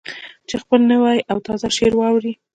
چې خپل نوی او تازه شعر واوروي.